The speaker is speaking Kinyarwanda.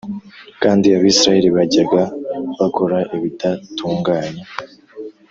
kandi abisirayeli bajyaga bakora ibidatunganye